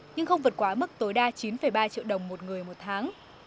nhưng không vượt quá mức tối đa chín ba triệu đồng một người một tháng